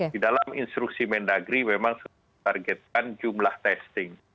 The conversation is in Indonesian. di dalam instruksi mendagri memang targetkan jumlah testing